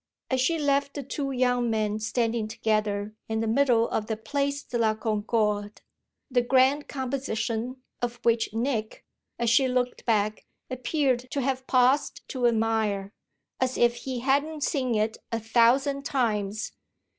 As she left the two young men standing together in the middle of the Place de la Concorde, the grand composition of which Nick, as she looked back, appeared to have paused to admire as if he hadn't seen it a thousand times!